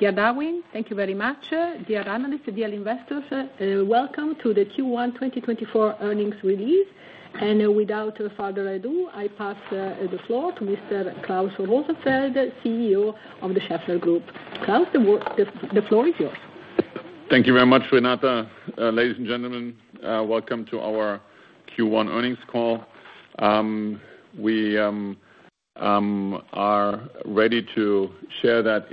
Dear Darwin, thank you very much. Dear analysts, dear investors, welcome to the Q1 2024 earnings release. And, without further ado, I pass the floor to Mr. Klaus Rosenfeld, CEO of the Schaeffler Group. Klaus, the floor is yours. Thank you very much, Renata. Ladies and gentlemen, welcome to our Q1 earnings call. We are ready to share that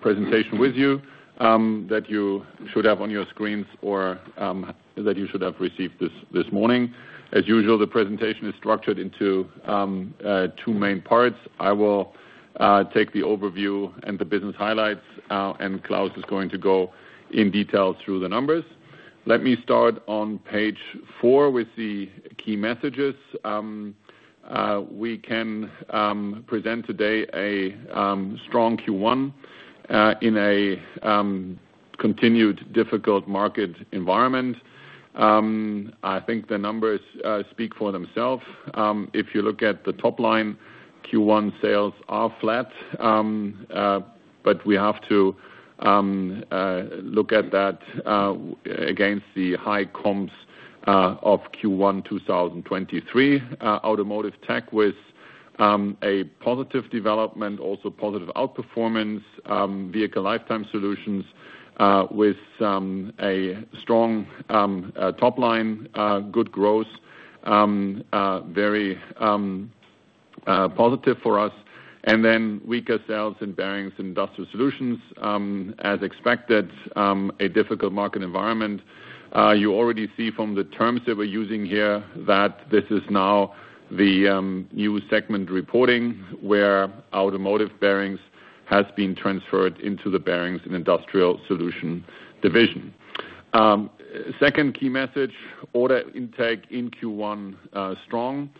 presentation with you that you should have on your screens or that you should have received this morning. As usual, the presentation is structured into two main parts. I will take the overview and the business highlights, and Claus is going to go in detail through the numbers. Let me start on page four with the key messages. We can present today a strong Q1 in a continued difficult market environment. I think the numbers speak for themselves. If you look at the top line, Q1 sales are flat, but we have to look at that against the high comps of Q1 2023. Automotive Tech with a positive development, also positive outperformance, Vehicle Lifetime Solutions with a strong top line, good growth, very positive for us. And then weaker sales in Bearings & Industrial Solutions, as expected, a difficult market environment. You already see from the terms that we're using here that this is now the new segment reporting where Automotive Bearings has been transferred into the Bearings & Industrial Solutions division. Second key message, order intake in Q1, strong.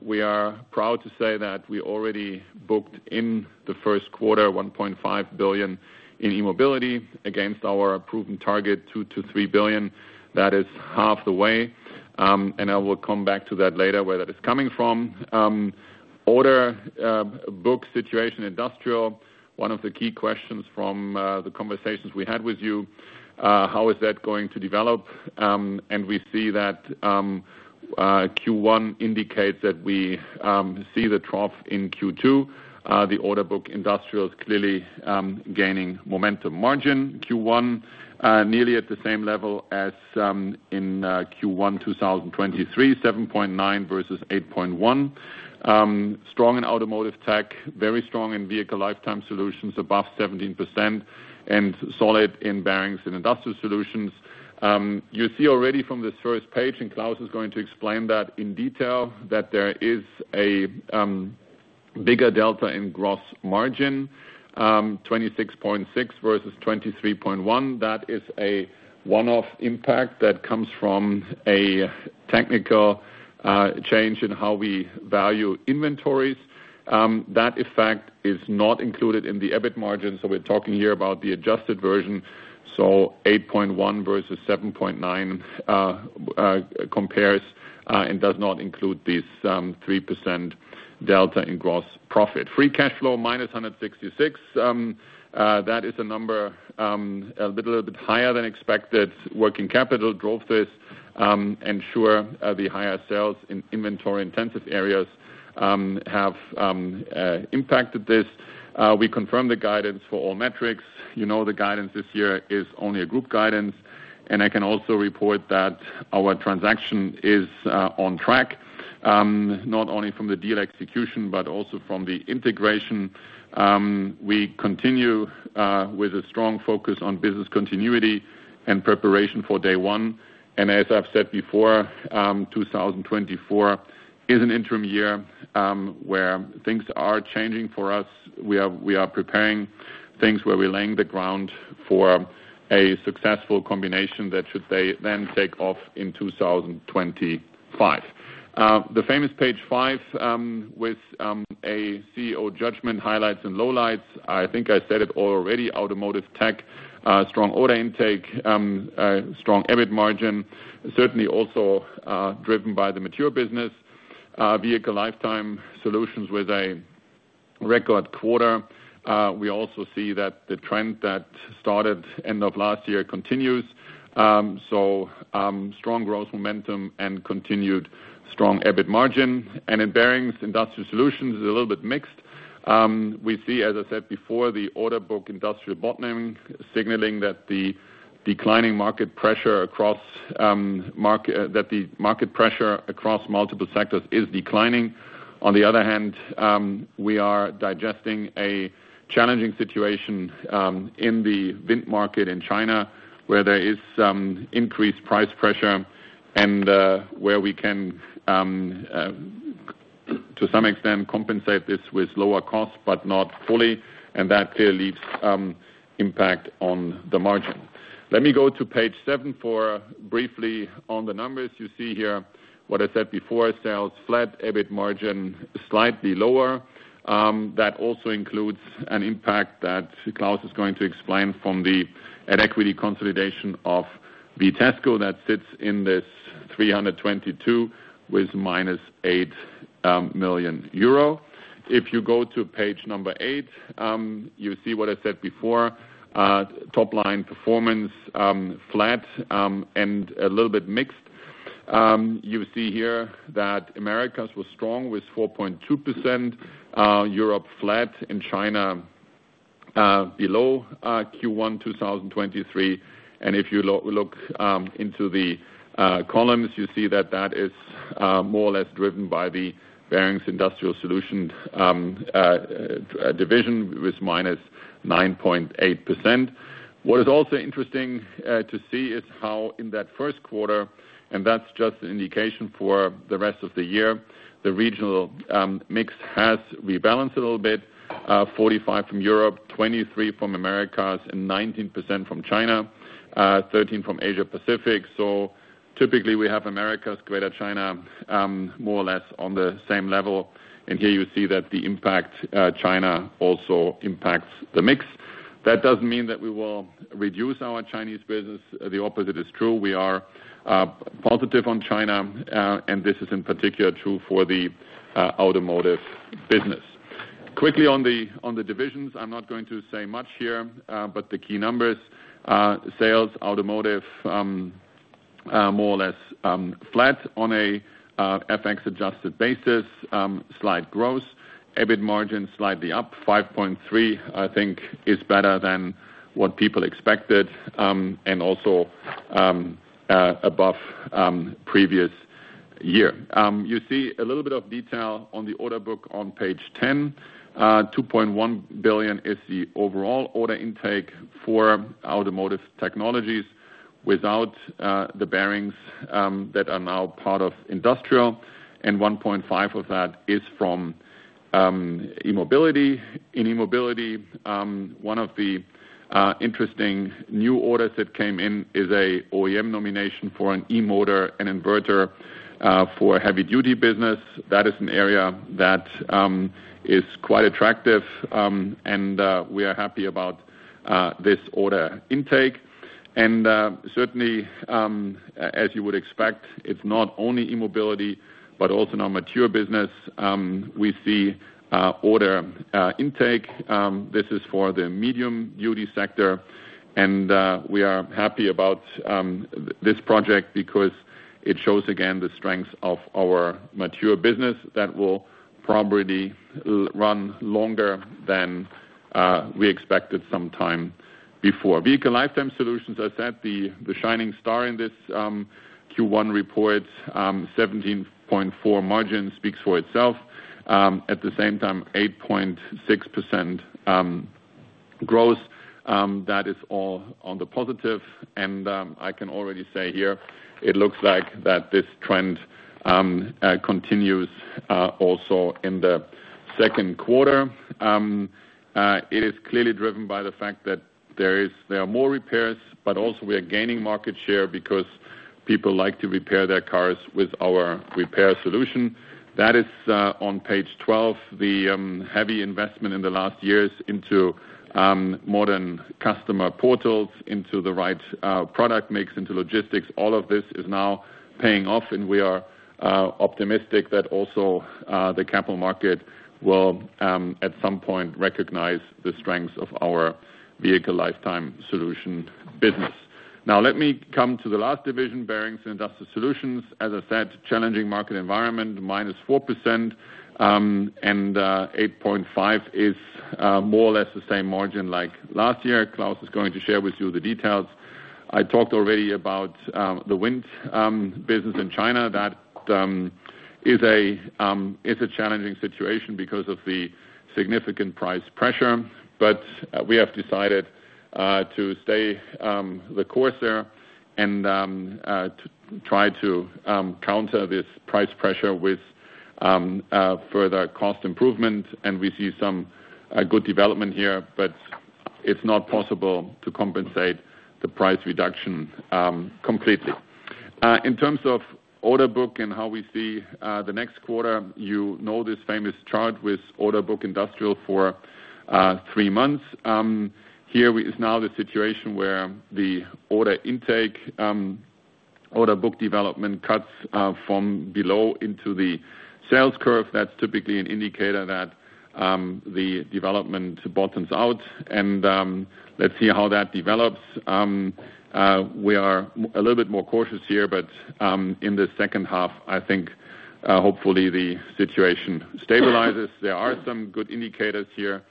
We are proud to say that we already booked in the first quarter 1.5 billion in E-Mobility against our proven target 2 billion-3 billion. That is half the way. And I will come back to that later where that is coming from. Order book situation Industrial, one of the key questions from the conversations we had with you, how is that going to develop? And we see that Q1 indicates that we see the trough in Q2. The order book Industrial is clearly gaining momentum margin Q1 nearly at the same level as in Q1 2023, 7.9 versus 8.1. Strong in Automotive Tech, very strong in Vehicle Lifetime Solutions, above 17%, and solid in Bearings & Industrial Solutions. You see already from this first page, and Claus is going to explain that in detail, that there is a bigger delta in gross margin, 26.6 versus 23.1. That is a one-off impact that comes from a technical change in how we value inventories. That effect is not included in the EBIT margin, so we're talking here about the adjusted version. So 8.1 versus 7.9 compares and does not include this 3% delta in gross profit. Free cash flow -166, that is a number a little bit higher than expected. Working capital drove this, and sure, the higher sales in inventory-intensive areas have impacted this. We confirmed the guidance for all metrics. You know, the guidance this year is only a group guidance. And I can also report that our transaction is on track, not only from the deal execution but also from the integration. We continue with a strong focus on business continuity and preparation for day one. And as I've said before, 2024 is an interim year, where things are changing for us. We are preparing things where we're laying the ground for a successful combination that should then take off in 2025. The famous page five, with a CEO judgment highlights and lowlights, I think I said it already, Automotive Tech, strong order intake, strong EBIT margin, certainly also driven by the mature business. Vehicle Lifetime Solutions with a record quarter. We also see that the trend that started end of last year continues. So, strong growth momentum and continued strong EBIT margin. And in Bearings & Industrial solutions is a little bit mixed. We see, as I said before, the order book industrial bottoming signaling that the declining market pressure across multiple sectors is declining. On the other hand, we are digesting a challenging situation in the wind market in China where there is increased price pressure and where we can, to some extent, compensate this with lower costs but not fully. And that clearly leaves impact on the margin. Let me go to page seven for briefly on the numbers. You see here what I said before: sales flat, EBIT margin slightly lower. That also includes an impact that Claus is going to explain from the at-equity consolidation of Vitesco that sits in this 322 million with -8 million euro. If you go to page eight, you see what I said before, top line performance, flat, and a little bit mixed. You see here that Americas was strong with 4.2%, Europe flat, and China below Q1 2023. And if you look into the columns, you see that that is more or less driven by the Bearings & Industrial Solutions division with -9.8%. What is also interesting to see is how in that first quarter, and that's just an indication for the rest of the year, the regional mix has rebalanced a little bit, 45% from Europe, 23% from Americas, and 19% from China, 13% from Asia Pacific. So typically we have Americas, Greater China, more or less on the same level. And here you see that the impact, China also impacts the mix. That doesn't mean that we will reduce our Chinese business. The opposite is true. We are positive on China, and this is in particular true for the Automotive business. Quickly on the divisions, I'm not going to say much here, but the key numbers, sales. Automotive more or less flat on a FX adjusted basis, slight growth, EBIT margin slightly up, 5.3%, I think, is better than what people expected, and also above previous year. You see a little bit of detail on the order book on page 10. 2.1 billion is the overall order intake for Automotive Technologies without the bearings that are now part of industrial. And 1.5 billion of that is from E-Mobility. In E-Mobility, one of the interesting new orders that came in is an OEM nomination for an e-motor and inverter for heavy-duty business. That is an area that is quite attractive, and we are happy about this order intake. And certainly, as you would expect, it's not only E-Mobility but also now mature business. We see order intake. This is for the medium-duty sector. And we are happy about this project because it shows again the strengths of our mature business that will probably run longer than we expected some time before. Vehicle Lifetime Solutions, as I said, the shining star in this Q1 report, 17.4% margin speaks for itself. At the same time, 8.6% growth, that is all on the positive. And I can already say here it looks like that this trend continues also in the second quarter. It is clearly driven by the fact that there are more repairs, but also we are gaining market share because people like to repair their cars with our repair solution. That is on page 12. The heavy investment in the last years into modern customer portals, into the right product mix, into logistics, all of this is now paying off. And we are optimistic that also the capital market will at some point recognize the strengths of our Vehicle Lifetime Solutions business. Now, let me come to the last division, Bearings & Industrial Solutions. As I said, challenging market environment, -4%, and 8.5% is more or less the same margin like last year. Claus is going to share with you the details. I talked already about the wind business in China. That is a challenging situation because of the significant price pressure. But we have decided to stay the course there and to try to counter this price pressure with further cost improvement. And we see some good development here, but it's not possible to compensate the price reduction completely. In terms of order book and how we see the next quarter, you know this famous chart with order book Industrial for three months. Here we is now the situation where the order intake, order book development cuts from below into the sales curve. That's typically an indicator that the development bottoms out. And, let's see how that develops. We are a little bit more cautious here, but in the second half, I think, hopefully the situation stabilizes. There are some good indicators here,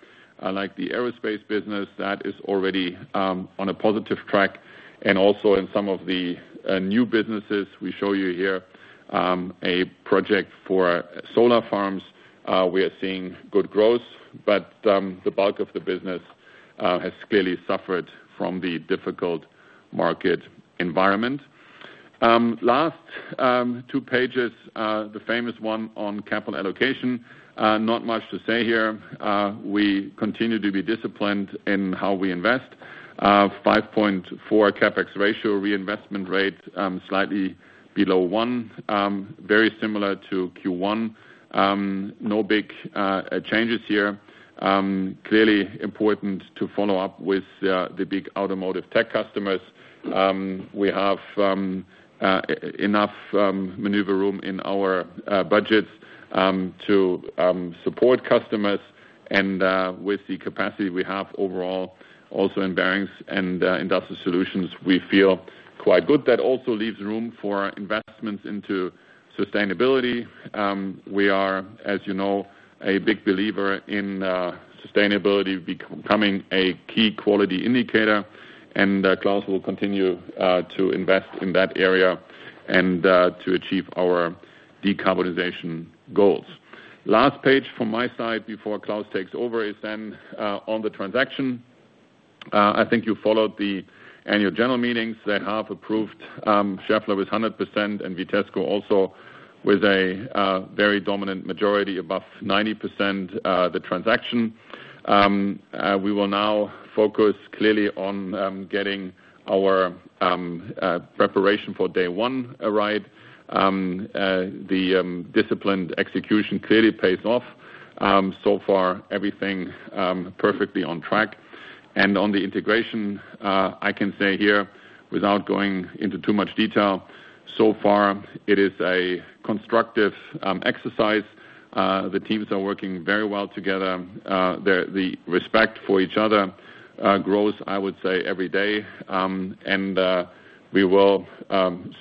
like the aerospace business that is already on a positive track. And also in some of the new businesses, we show you here, a project for solar farms. We are seeing good growth, but the bulk of the business has clearly suffered from the difficult market environment. Last two pages, the famous one on capital allocation, not much to say here. We continue to be disciplined in how we invest, 5.4% CapEx ratio, reinvestment rate slightly below 1, very similar to Q1. No big changes here. Clearly important to follow up with the big automotive tech customers. We have enough maneuver room in our budgets to support customers. And with the capacity we have overall also in Bearings & Industrial Solutions, we feel quite good. That also leaves room for investments into sustainability. We are, as you know, a big believer in sustainability becoming a key quality indicator. And Claus will continue to invest in that area and to achieve our decarbonization goals. Last page from my side before Claus takes over is then on the transaction. I think you followed the annual general meetings. They have approved Schaeffler with 100% and Vitesco also with a very dominant majority above 90% the transaction. We will now focus clearly on getting our preparation for day one right. The disciplined execution clearly pays off. So far everything is perfectly on track. On the integration, I can say here without going into too much detail, so far it is a constructive exercise. The teams are working very well together. There the respect for each other grows, I would say, every day. We will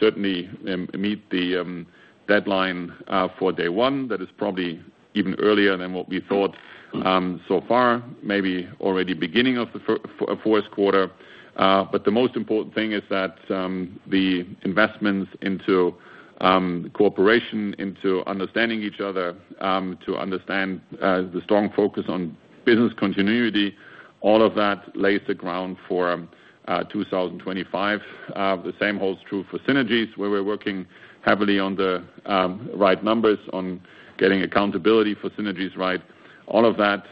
certainly meet the deadline for day one. That is probably even earlier than what we thought so far, maybe already beginning of the fourth quarter. But the most important thing is that the investments into cooperation, into understanding each other, to understand the strong focus on business continuity, all of that lays the ground for 2025. The same holds true for synergies, where we're working heavily on the right numbers, on getting accountability for synergies right. All of that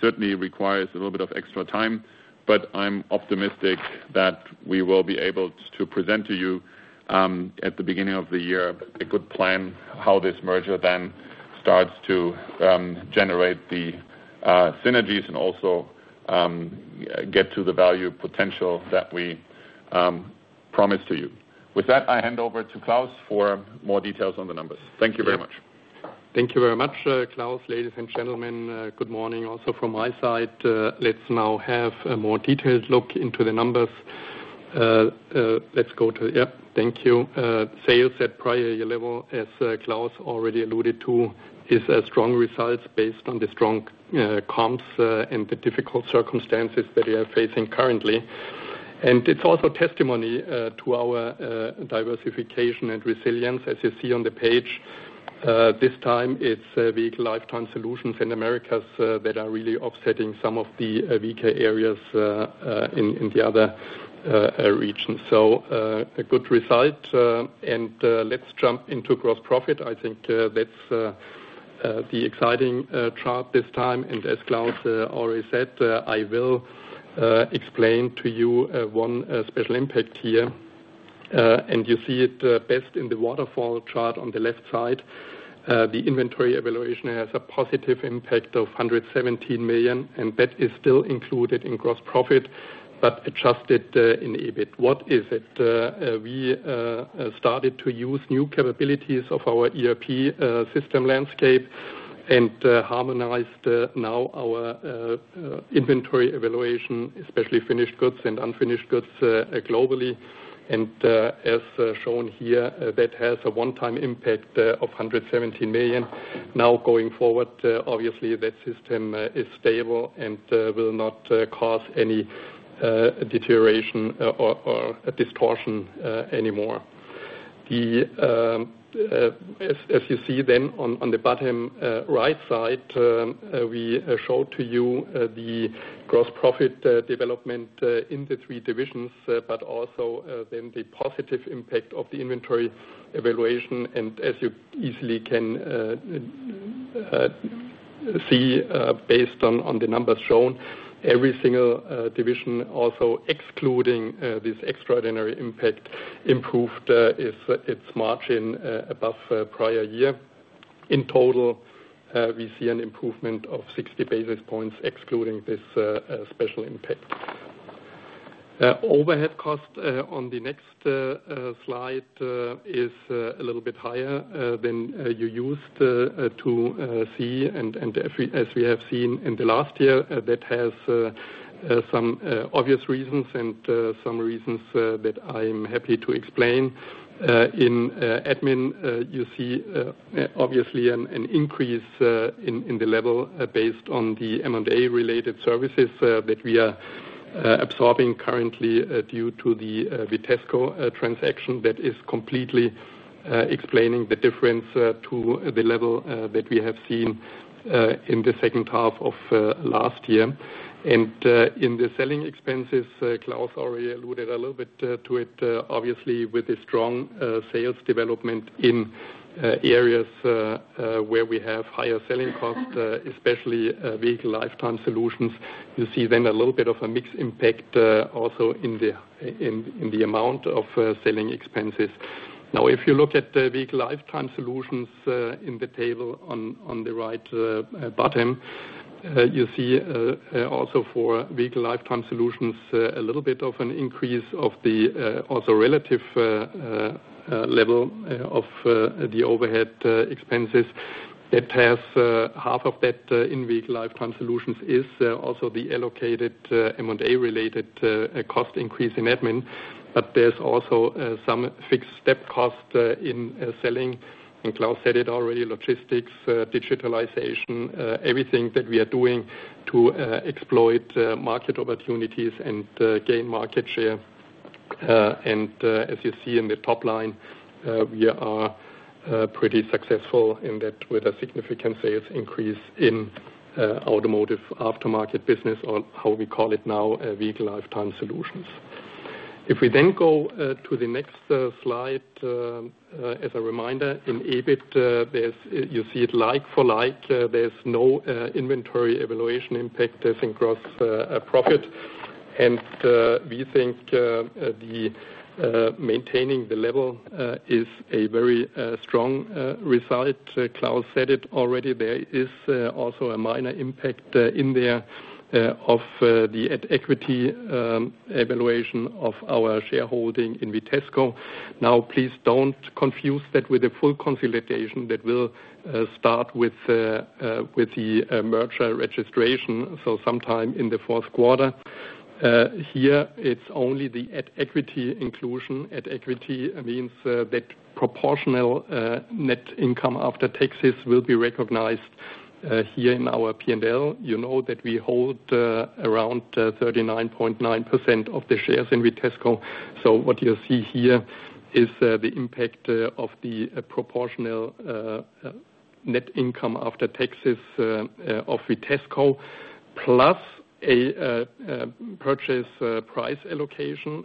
certainly requires a little bit of extra time. But I'm optimistic that we will be able to present to you, at the beginning of the year, a good plan how this merger then starts to generate the synergies and also get to the value potential that we promise to you. With that, I hand over to Claus for more details on the numbers. Thank you very much. Thank you very much, Klaus. Ladies and gentlemen, good morning also from my side. Let's now have a more detailed look into the numbers. Let's go to thank you. Sales at prior year level, as Klaus already alluded to, is a strong result based on the strong comps and the difficult circumstances that we are facing currently. It's also testimony to our diversification and resilience. As you see on the page, this time it's Vehicle Lifetime Solutions in America that are really offsetting some of the weaker areas in the other regions. So a good result. Let's jump into gross profit. I think that's the exciting chart this time. As Klaus already said, I will explain to you one special impact here. You see it best in the waterfall chart on the left side. The inventory valuation has a positive impact of 117 million. That is still included in gross profit but adjusted in EBIT. What is it? We started to use new capabilities of our ERP system landscape and harmonized now our inventory valuation, especially finished goods and unfinished goods globally. As shown here, that has a one-time impact of 117 million. Now going forward, obviously that system is stable and will not cause any deterioration or distortion anymore. As you see then on the bottom right side, we showed to you the gross profit development in the three divisions, but also then the positive impact of the inventory evaluation. And as you easily can see based on the numbers shown, every single division, also excluding this extraordinary impact, improved its margin above prior year. In total, we see an improvement of 60 basis points excluding this special impact. Overhead cost on the next slide is a little bit higher than you used to see. And as we have seen in the last year, that has some obvious reasons and some reasons that I'm happy to explain. In Admin, you see obviously an increase in the level based on the M&A-related services that we are absorbing currently due to the Vitesco transaction that is completely explaining the difference to the level that we have seen in the second half of last year. In the selling expenses, Klaus already alluded a little bit to it, obviously with the strong sales development in areas where we have higher selling costs, especially Vehicle Lifetime Solutions. You see then a little bit of a mixed impact also in the amount of selling expenses. Now, if you look at the Vehicle Lifetime Solutions in the table on the right bottom, you see also for Vehicle Lifetime Solutions a little bit of an increase of the also relative level of the overhead expenses. That has half of that in Vehicle Lifetime Solutions. It is also the allocated M&A-related cost increase in Admin. But there's also some fixed step cost in selling. And Klaus said it already: logistics, digitalization, everything that we are doing to exploit market opportunities and gain market share. And as you see in the top line, we are pretty successful in that with a significant sales increase in automotive aftermarket business or how we call it now, Vehicle Lifetime Solutions. If we then go to the next slide, as a reminder, in EBIT, you see it like for like. There's no inventory valuation impact. There's in gross profit. And we think maintaining the level is a very strong result. Klaus said it already. There is also a minor impact in there of the equity valuation of our shareholding in Vitesco. Now, please don't confuse that with the full consolidation that will start with the merger registration. So sometime in the fourth quarter. Here, it's only the at-equity inclusion. At-equity means that proportional net income after taxes will be recognized here in our P&L. You know that we hold around 39.9% of the shares in Vitesco. So what you see here is the impact of the proportional net income after taxes of Vitesco plus a purchase price allocation.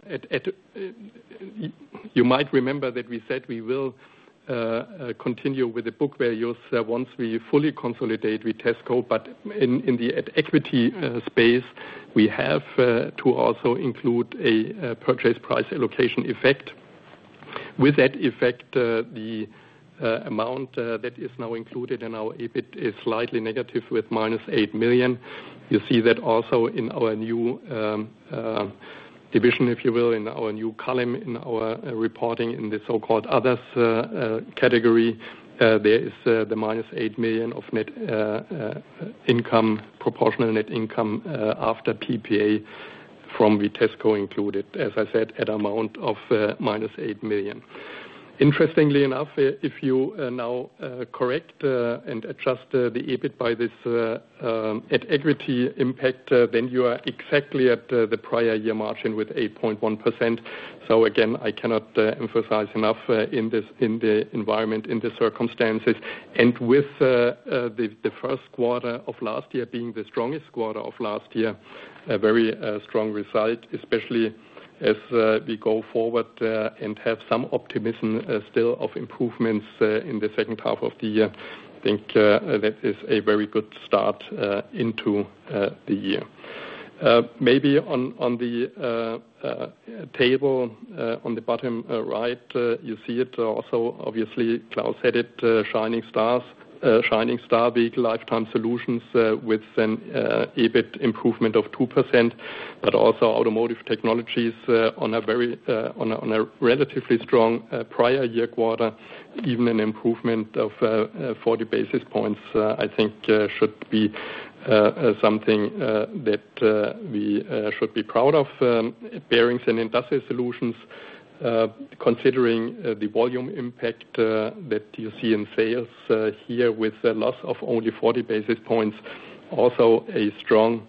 You might remember that we said we will continue with the book values once we fully consolidate Vitesco. But in the at-equity space, we have to also include a purchase price allocation effect. With that effect, the amount that is now included in our EBIT is slightly negative with -8 million. You see that also in our new division, if you will, in our new column in our reporting in the so-called others category, there is the -8 million of net income, proportional net income after PPA from Vitesco included, as I said, at amount of -8 million. Interestingly enough, if you now correct and adjust the EBIT by this at-equity impact, then you are exactly at the prior-year margin with 8.1%. So again, I cannot emphasize enough in this in the environment, in the circumstances. And with the first quarter of last year being the strongest quarter of last year, a very strong result, especially as we go forward and have some optimism still of improvements in the second half of the year. I think that is a very good start into the year. Maybe on the table, on the bottom right, you see it also, obviously, Klaus said it, shining stars, shining star Vehicle Lifetime Solutions with an EBIT improvement of 2%. But also Automotive Technologies on a very on a relatively strong prior year quarter, even an improvement of 40 basis points, I think, should be something that we should be proud of. Bearings & Industrial Solutions, considering the volume impact that you see in sales here with a loss of only 40 basis points, also a strong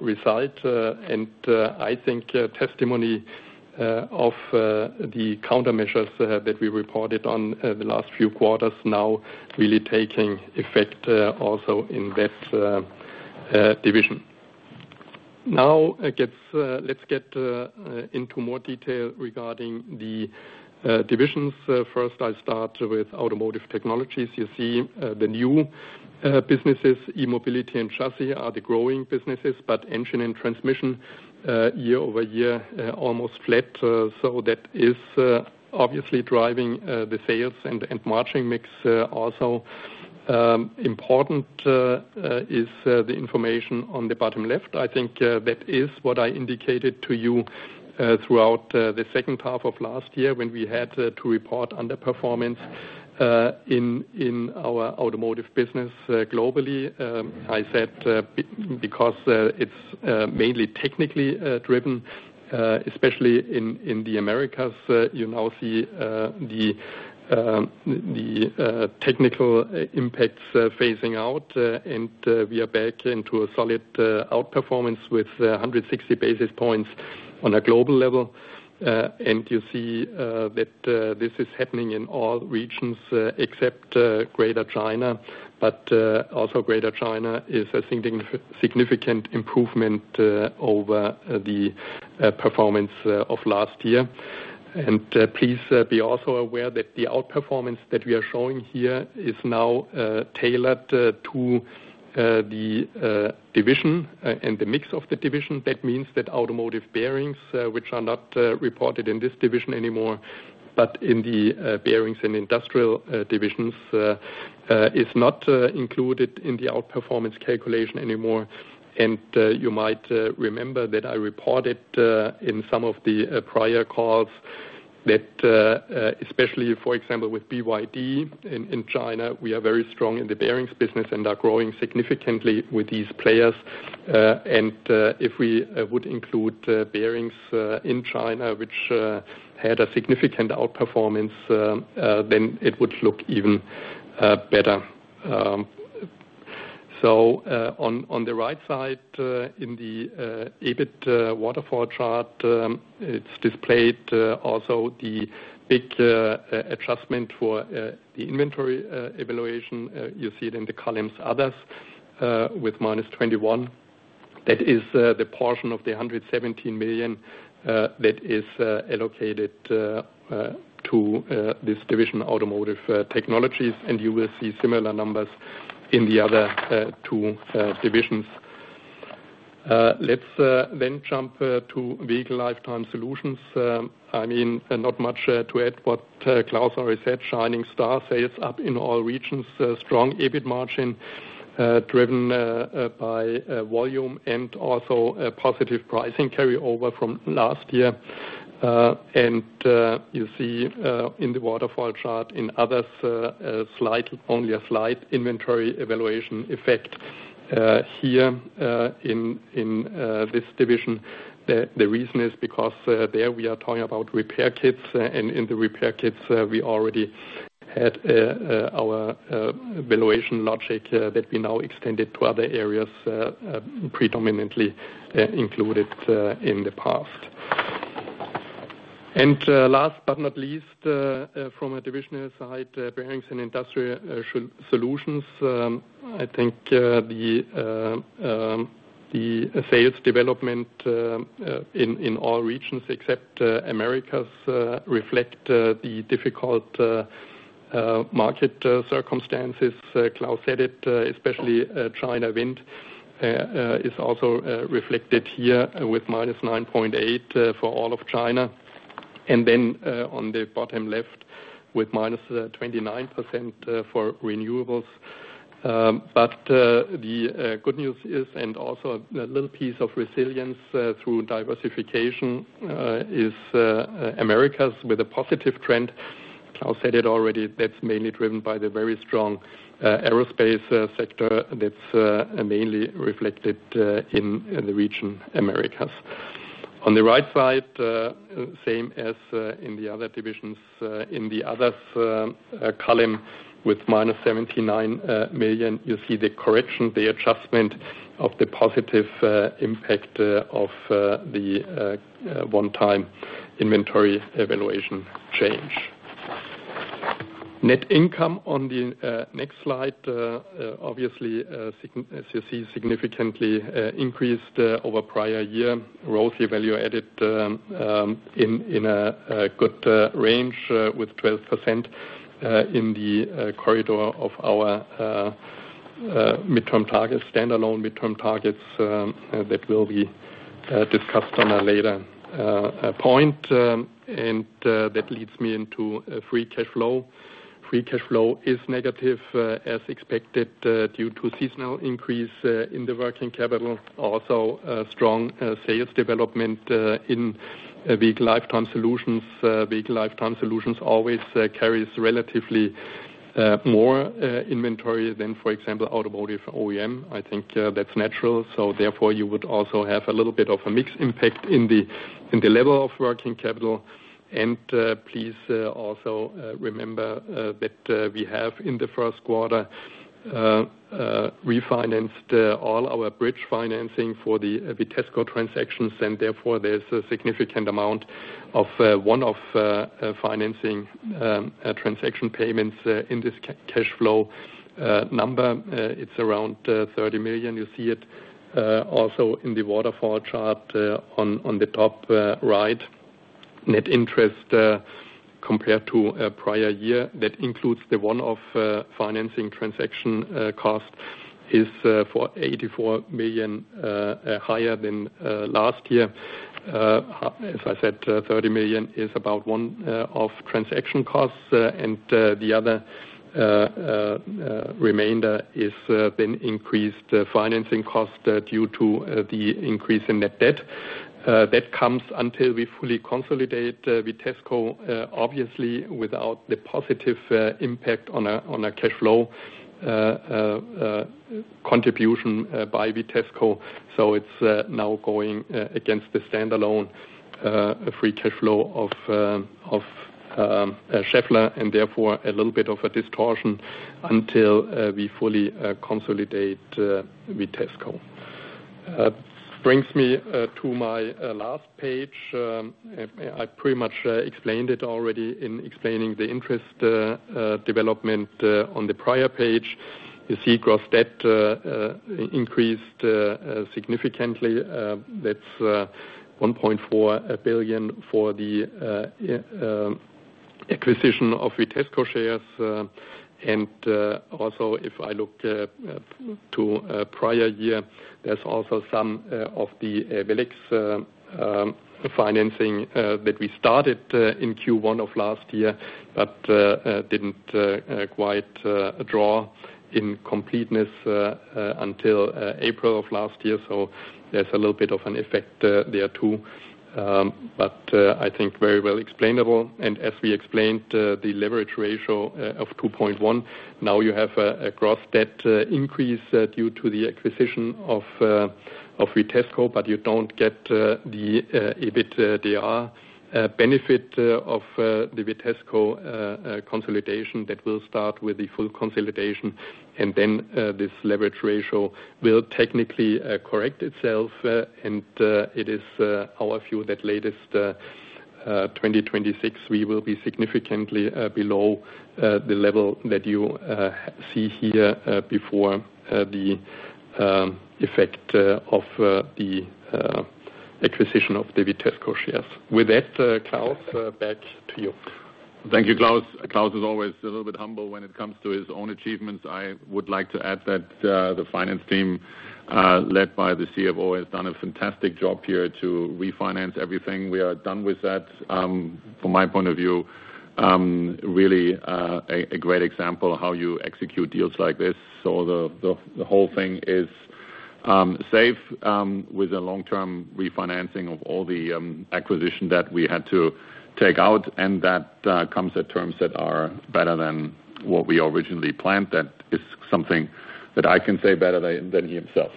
result. And I think testimony of the countermeasures that we reported on the last few quarters now really taking effect also in that division. Now, let's get into more detail regarding the divisions. First, I'll start with Automotive Technologies. You see the new businesses, E-Mobility and Chassis, are the growing businesses. But Engine and Transmission, year-over-year, almost flat. So that is obviously driving the sales and margin mix also. Important is the information on the bottom left. I think that is what I indicated to you throughout the second half of last year when we had to report underperformance in our Automotive business globally. I said because it's mainly technically driven, especially in the Americas, you now see the technical impacts phasing out. We are back into a solid outperformance with 160 basis points on a global level. You see that this is happening in all regions except Greater China. But also Greater China is a significant improvement over the performance of last year. Please be also aware that the outperformance that we are showing here is now tailored to the division and the mix of the division. That means that Automotive Bearings, which are not reported in this division anymore, but in the Bearings & Industrial Solutions division, is not included in the outperformance calculation anymore. You might remember that I reported in some of the prior calls that especially, for example, with BYD in China, we are very strong in the bearings business and are growing significantly with these players. And if we would include bearings in China, which had a significant outperformance, then it would look even better. So on the right side, in the EBIT waterfall chart, it's displayed also the big adjustment for the inventory valuation. You see it in the columns others with -21. That is the portion of the 117 million that is allocated to this division, Automotive Technologies. You will see similar numbers in the other two divisions. Let's then jump to Vehicle Lifetime Solutions. I mean, not much to add, but Klaus already said, shining star sales up in all regions, strong EBIT margin driven by volume and also positive pricing carryover from last year. And you see in the waterfall chart in others, only a slight inventory valuation effect here in this division. The reason is because there we are talking about repair kits. And in the repair kits, we already had our valuation logic that we now extended to other areas predominantly included in the past. And last but not least, from a divisional side, Bearings & Industrial Solutions, I think the sales development in all regions except Americas reflect the difficult market circumstances. Klaus said it, especially China wind, is also reflected here with -9.8% for all of China. And then on the bottom left with -29% for renewables. But the good news is, and also a little piece of resilience through diversification, is Americas with a positive trend. Klaus said it already, that's mainly driven by the very strong aerospace sector that's mainly reflected in the region Americas. On the right side, same as in the other divisions, in the others column with -79 million, you see the correction, the adjustment of the positive impact of the one-time inventory evaluation change. Net income on the next slide, obviously, as you see, significantly increased over prior year. ROIC, your value added in a good range with 12% in the corridor of our midterm targets, standalone midterm targets that will be discussed on a later point. And that leads me into free cash flow. Free cash flow is negative as expected due to seasonal increase in the working capital. Also, strong sales development in Vehicle Lifetime Solutions. Vehicle Lifetime Solutions always carries relatively more inventory than, for example, automotive OEM. I think that's natural. So therefore, you would also have a little bit of a mixed impact in the level of working capital. And please also remember that we have in the first quarter refinanced all our bridge financing for the Vitesco transactions. And therefore, there's a significant amount of one-off financing transaction payments in this cash flow number. It's around 30 million. You see it also in the waterfall chart on the top right. Net interest compared to prior year, that includes the one-off financing transaction cost, is 84 million higher than last year. As I said, 30 million is about one-off transaction costs. And the other remainder is then increased financing cost due to the increase in net debt. That comes until we fully consolidate Vitesco, obviously, without the positive impact on a cash flow contribution by Vitesco. So it's now going against the standalone free cash flow of Schaeffler and therefore a little bit of a distortion until we fully consolidate Vitesco. Brings me to my last page. I pretty much explained it already in explaining the interest development on the prior page. You see gross debt increased significantly. That's 1.4 billion for the acquisition of Vitesco shares. And also, if I look to prior year, there's also some of the Ewellix financing that we started in Q1 of last year, but didn't quite draw in completeness until April of last year. So there's a little bit of an effect there too. But I think very well explainable. As we explained, the leverage ratio of 2.1, now you have a gross debt increase due to the acquisition of Vitesco, but you don't get the EBITDA benefit of the Vitesco consolidation. That will start with the full consolidation. Then this leverage ratio will technically correct itself. It is our view that latest 2026, we will be significantly below the level that you see here before the effect of the acquisition of the Vitesco shares. With that, Klaus, back to you. Thank you, Claus. Claus is always a little bit humble when it comes to his own achievements. I would like to add that the finance team led by the CFO has done a fantastic job here to refinance everything. We are done with that. From my point of view, really a great example of how you execute deals like this. So the whole thing is safe with a long-term refinancing of all the acquisition that we had to take out. And that comes at terms that are better than what we originally planned. That is something that I can say better than he himself.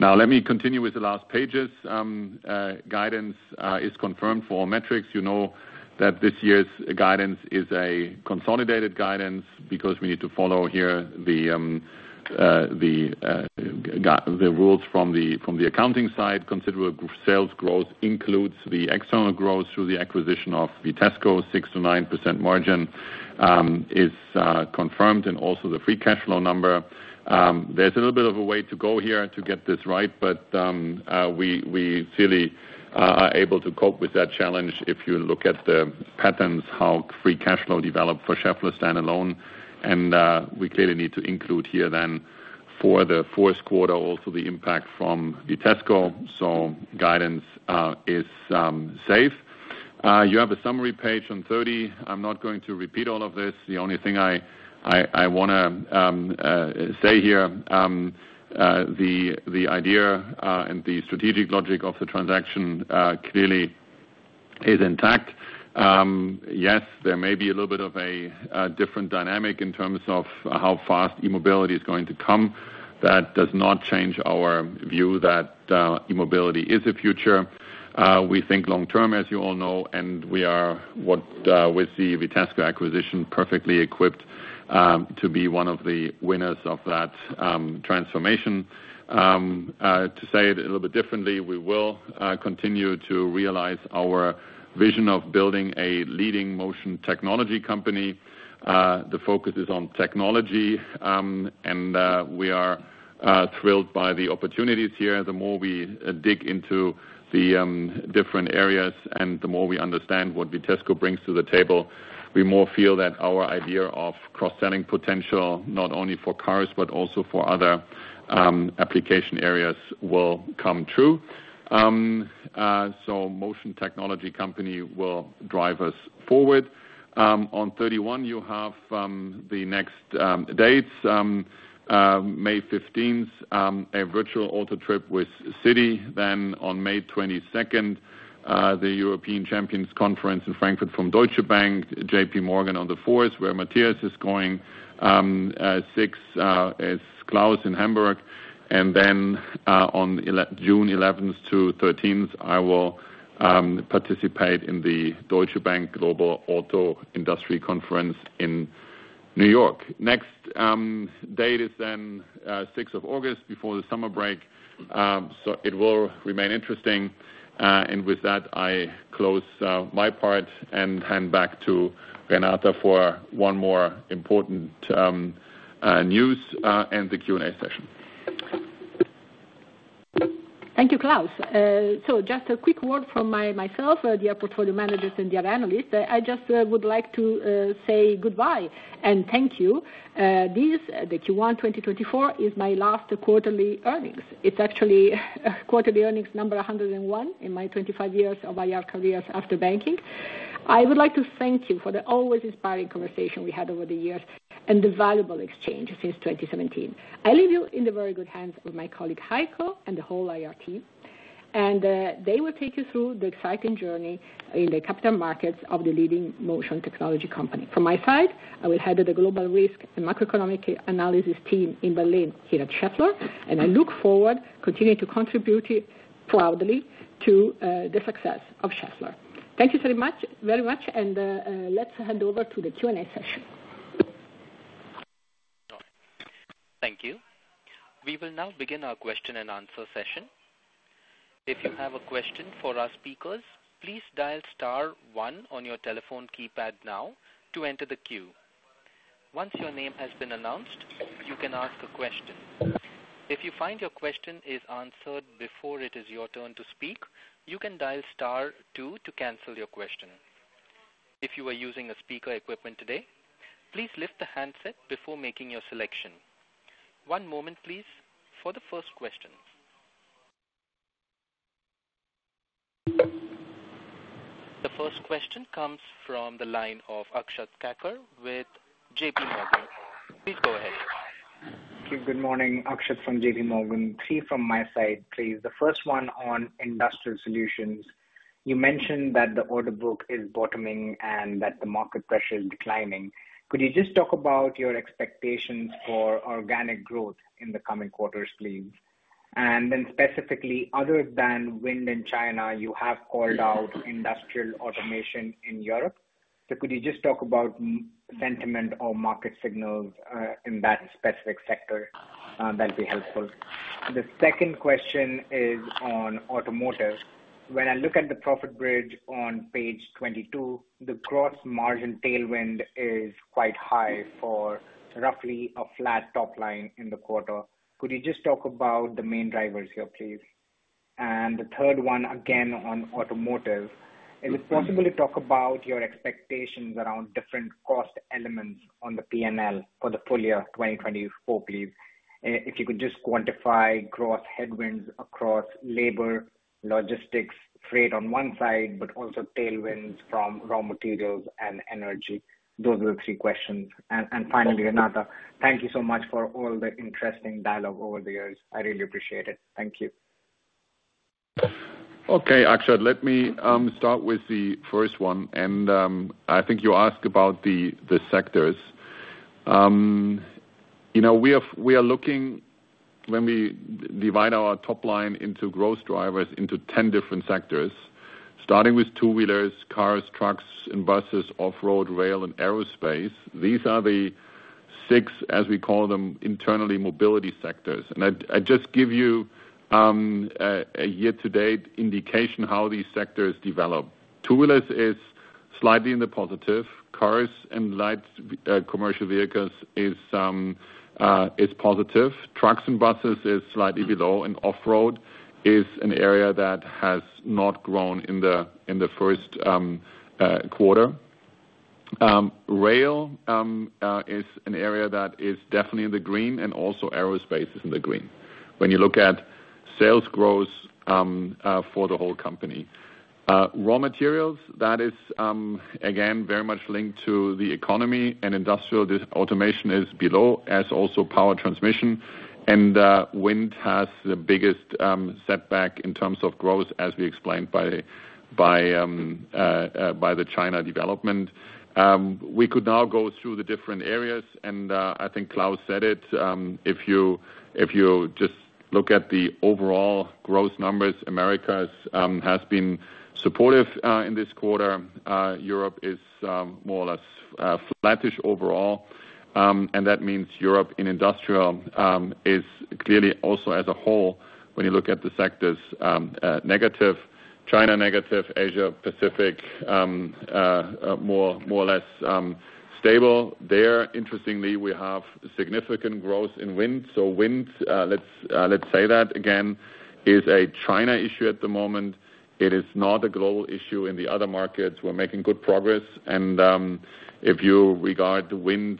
Now, let me continue with the last pages. Guidance is confirmed for all metrics. You know that this year's guidance is a consolidated guidance because we need to follow here the rules from the accounting side. Considerable sales growth includes the external growth through the acquisition of Vitesco, 6%-9% margin is confirmed, and also the free cash flow number. There's a little bit of a way to go here to get this right, but we clearly are able to cope with that challenge if you look at the patterns, how free cash flow developed for Schaeffler standalone. We clearly need to include here then for the fourth quarter, also the impact from Vitesco. Guidance is safe. You have a summary page 30. I'm not going to repeat all of this. The only thing I want to say here, the idea and the strategic logic of the transaction clearly is intact. Yes, there may be a little bit of a different dynamic in terms of how fast E-Mobility is going to come. That does not change our view that E-Mobility is a future. We think long-term, as you all know, and we are, with the Vitesco acquisition, perfectly equipped to be one of the winners of that transformation. To say it a little bit differently, we will continue to realize our vision of building a leading motion technology company. The focus is on technology. We are thrilled by the opportunities here. The more we dig into the different areas and the more we understand what Vitesco brings to the table, we more feel that our idea of cross-selling potential, not only for cars, but also for other application areas, will come true. So motion technology company will drive us forward. On 31, you have the next dates, May 15th, a virtual auto trip with Citi. Then on May 22, the European Champions Conference in Frankfurt from Deutsche Bank, JPMorgan on the 4th, where Matthias is going, 6th is Claus in Hamburg. And then on June 11th to 13th, I will participate in the Deutsche Bank Global Auto Industry Conference in New York. Next date is then 6th of August before the summer break. So it will remain interesting. And with that, I close my part and hand back to Renata for one more important news and the Q&A session. Thank you, Klaus. So just a quick word from myself, the other portfolio managers, and the other analysts. I just would like to say goodbye and thank you. This, the Q1 2024, is my last quarterly earnings. It's actually quarterly earnings number 101 in my 25 years of IR careers after banking. I would like to thank you for the always inspiring conversation we had over the years and the valuable exchange since 2017. I leave you in the very good hands of my colleague Heiko and the whole IR team. And they will take you through the exciting journey in the capital markets of the leading motion technology company. From my side, I will head the Global Risk and Macroeconomic Analysis team in Berlin here at Schaeffler. And I look forward, continue to contribute proudly to the success of Schaeffler. Thank you very much. Let's hand over to the Q&A session. Thank you. We will now begin our question-and-answer session. If you have a question for our speakers, please dial star one on your telephone keypad now to enter the queue. Once your name has been announced, you can ask a question. If you find your question is answered before it is your turn to speak, you can dial star two to cancel your question. If you are using a speaker equipment today, please lift the handset before making your selection. One moment, please, for the first question. The first question comes from the line of Akshat Kacker with JPMorgan. Please go ahead. Thank you. Good morning, Akshat from JP Morgan. Three from my side, please. The first one on industrial solutions. You mentioned that the order book is bottoming and that the market pressure is declining. Could you just talk about your expectations for organic growth in the coming quarters, please? And then specifically, other than wind and China, you have called out industrial automation in Europe. So could you just talk about sentiment or market signals in that specific sector? That'll be helpful. The second question is on automotive. When I look at the profit bridge on page 22, the gross margin tailwind is quite high for roughly a flat top line in the quarter. Could you just talk about the main drivers here, please? And the third one, again, on automotive. Is it possible to talk about your expectations around different cost elements on the P&L for the full year 2024, please? If you could just quantify gross headwinds across labor, logistics, freight on one side, but also tailwinds from raw materials and energy. Those are the three questions. Finally, Renata, thank you so much for all the interesting dialogue over the years. I really appreciate it. Thank you. Okay, Akshat, let me start with the first one. I think you asked about the sectors. We are looking, when we divide our top line into growth drivers, into 10 different sectors, starting with two-wheelers, cars, trucks, and buses, off-road, rail, and aerospace. These are the six, as we call them internally, mobility sectors. I just give you a year-to-date indication how these sectors develop. Two-wheelers is slightly in the positive. Cars and light commercial vehicles is positive. Trucks and buses is slightly below. Off-road is an area that has not grown in the first quarter. Rail is an area that is definitely in the green. Also aerospace is in the green when you look at sales growth for the whole company. Raw materials, that is, again, very much linked to the economy. Industrial automation is below, as also power transmission. Wind has the biggest setback in terms of growth, as we explained by the China development. We could now go through the different areas. I think Claus said it. If you just look at the overall growth numbers, America has been supportive in this quarter. Europe is more or less flattish overall. That means Europe in industrial is clearly also, as a whole, when you look at the sectors, negative. China negative. Asia Pacific more or less stable there. Interestingly, we have significant growth in wind. So wind, let's say that again, is a China issue at the moment. It is not a global issue in the other markets. We're making good progress. If you regard the wind,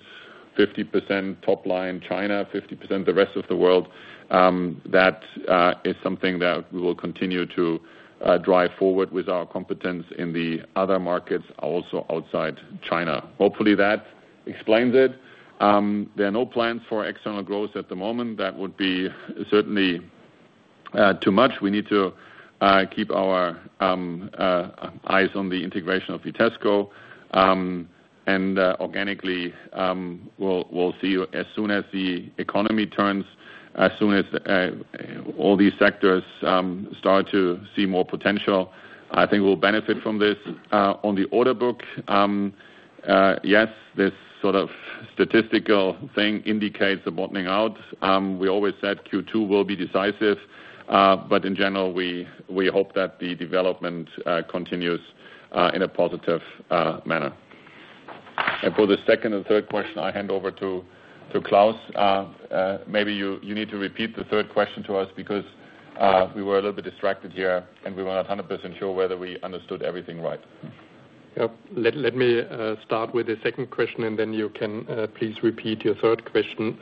50% top line China, 50% the rest of the world, that is something that we will continue to drive forward with our competence in the other markets, also outside China. Hopefully, that explains it. There are no plans for external growth at the moment. That would be certainly too much. We need to keep our eyes on the integration of Vitesco. Organically, we'll see as soon as the economy turns, as soon as all these sectors start to see more potential, I think we'll benefit from this. On the order book, yes, this sort of statistical thing indicates a bottoming out. We always said Q2 will be decisive. In general, we hope that the development continues in a positive manner. For the second and third question, I hand over to Claus. Maybe you need to repeat the third question to us because we were a little bit distracted here, and we were not 100% sure whether we understood everything right. Yep. Let me start with the second question, and then you can please repeat your third question.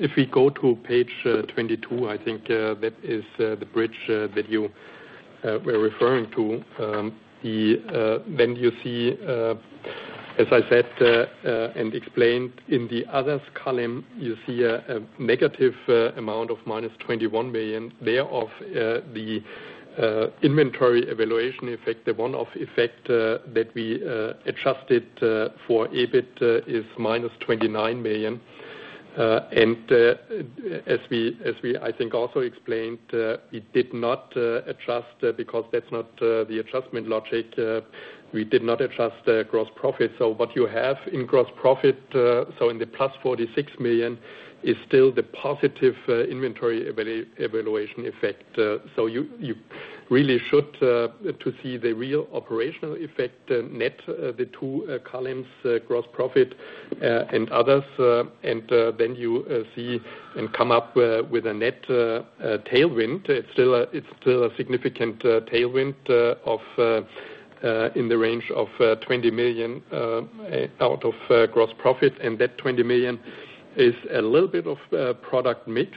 If we go to page 22, I think that is the bridge that you were referring to. Then you see, as I said and explained, in the others column, you see a negative amount of -21 million. Thereof, the inventory valuation effect, the one-off effect that we adjusted for EBIT is -29 million. And as we, I think, also explained, we did not adjust because that's not the adjustment logic. We did not adjust gross profit. So what you have in gross profit, so in the +46 million, is still the positive inventory valuation effect. So you really should see the real operational effect, net the two columns, gross profit and others. And then you see and come up with a net tailwind. It's still a significant tailwind in the range of 20 million out of gross profit. And that 20 million is a little bit of product mix.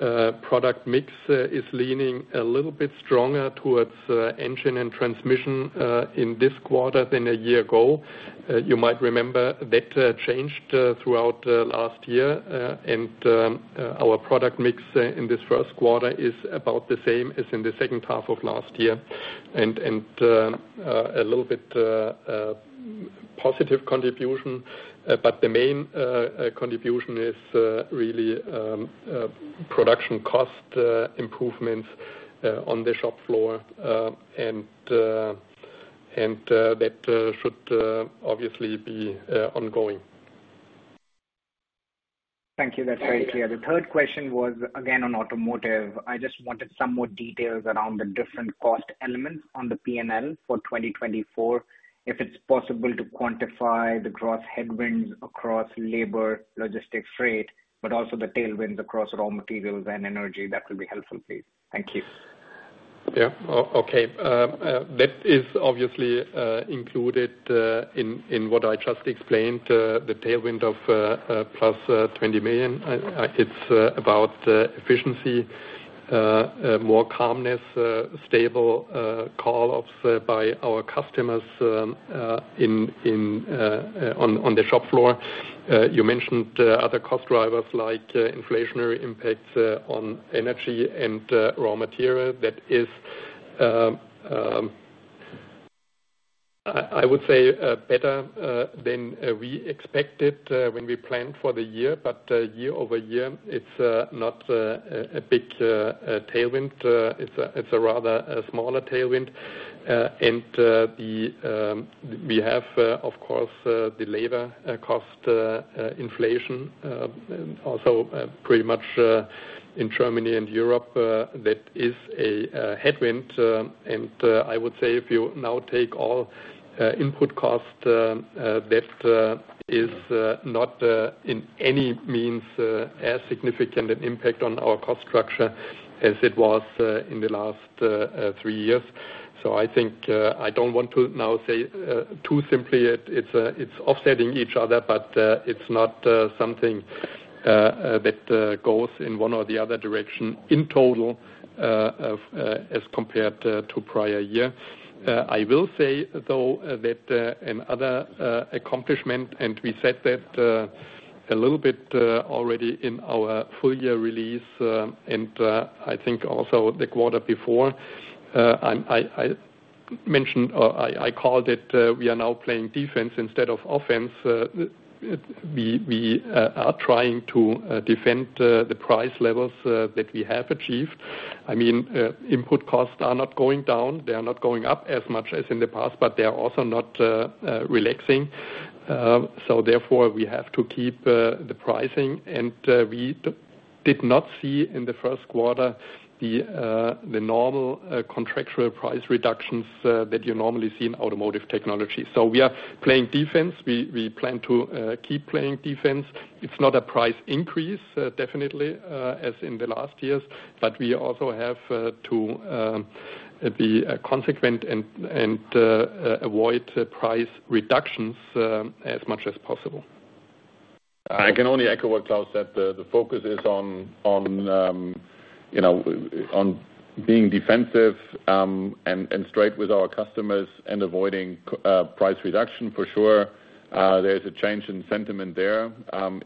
The product mix is leaning a little bit stronger towards engine and transmission in this quarter than a year ago. You might remember that changed throughout last year. And our product mix in this first quarter is about the same as in the second half of last year. And a little bit positive contribution. But the main contribution is really production cost improvements on the shop floor. And that should obviously be ongoing. Thank you. That's very clear. The third question was, again, on Automotive. I just wanted some more details around the different cost elements on the P&L for 2024, if it's possible to quantify the gross headwinds across labor, logistics, freight, but also the tailwinds across raw materials and energy. That would be helpful, please. Thank you. Yeah. Okay. That is obviously included in what I just explained, the tailwind of +20 million. It's about efficiency, more calmness, stable call-ups by our customers on the shop floor. You mentioned other cost drivers like inflationary impacts on energy and raw material. That is, I would say, better than we expected when we planned for the year. But year-over-year, it's not a big tailwind. It's a rather smaller tailwind. And we have, of course, the labor cost inflation. Also, pretty much in Germany and Europe, that is a headwind. I would say if you now take all input cost, that is not in any means as significant an impact on our cost structure as it was in the last three years. So I think I don't want to now say too simply it's offsetting each other, but it's not something that goes in one or the other direction in total as compared to prior year. I will say, though, that another accomplishment, and we said that a little bit already in our full year release, and I think also the quarter before, I mentioned or I called it we are now playing defense instead of offense. We are trying to defend the price levels that we have achieved. I mean, input costs are not going down. They are not going up as much as in the past, but they are also not relaxing. Therefore, we have to keep the pricing. We did not see in the first quarter the normal contractual price reductions that you normally see in automotive technology. So we are playing defense. We plan to keep playing defense. It's not a price increase, definitely, as in the last years. But we also have to be consistent and avoid price reductions as much as possible. I can only echo what Claus said. The focus is on being defensive and straight with our customers and avoiding price reduction, for sure. There is a change in sentiment there.